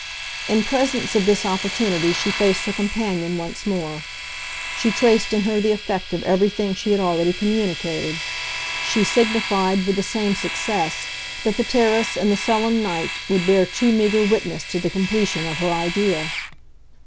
In presence of this opportunity she faced her companion once more; she traced in her the effect of everything she had already communicated; she signified, with the same success, that the terrace and the sullen night would bear too meagre witness to the completion of her idea.